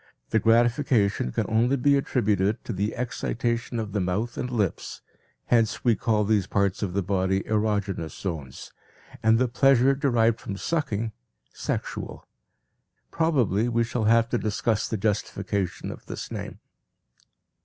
The gratification can only be attributed to the excitation of the mouth and lips, hence we call these parts of the body erogenous zones and the pleasure derived from sucking, sexual. Probably we shall have to discuss the justification of this name.